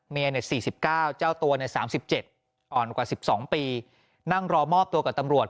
๔๙เจ้าตัว๓๗อ่อนกว่า๑๒ปีนั่งรอมอบตัวกับตำรวจ